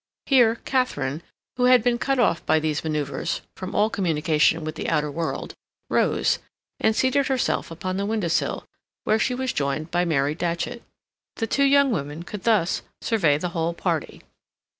Here, Katharine, who had been cut off by these maneuvers from all communication with the outer world, rose, and seated herself upon the window sill, where she was joined by Mary Datchet. The two young women could thus survey the whole party.